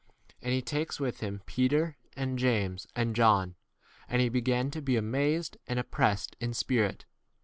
And he takes with him Peter and James and John, and he began to be amazed and 34 oppressed in spirit.